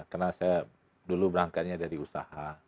karena saya dulu berangkatnya dari usaha